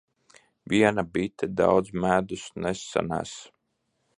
Viena bite daudz medus nesanes.